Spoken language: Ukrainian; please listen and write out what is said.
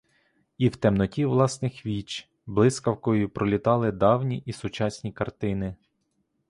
І в темноті власних віч блискавкою пролітали давні і сучасні картини.